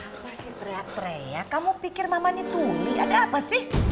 aku masih teriak teriak kamu pikir mama ini tuli ada apa sih